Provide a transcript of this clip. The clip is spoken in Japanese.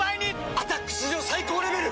「アタック」史上最高レベル！